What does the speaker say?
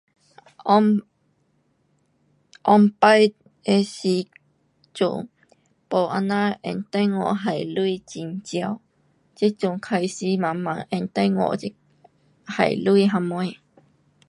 以以前的时做没有这样用电话还钱很少现在开始慢慢用电话还钱什么